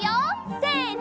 せの！